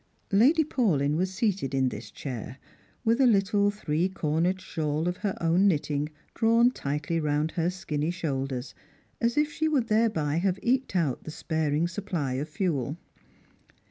Lady Paulyn was seated in this chair, with a, little three cornered shawl of her own knitting drawn tightly round her skinny ohoulders, as if she would thereby have eked out the sparing supply of fuel.